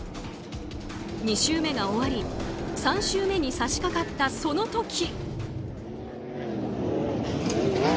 ２周目が終わり３周目に差し掛かったその時。